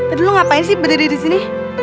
eh eh lu ngapain sih berdiri di sini